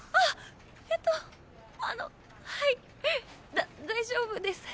だ大丈夫です。